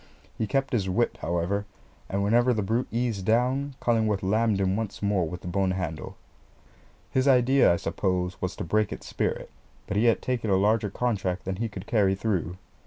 He kept his whip, however; and whenever the brute eased down, Cullingworth lammed him once more with the bone handle. His idea, I suppose, was to break its spirit, but he had taken a larger contract than he could carry through.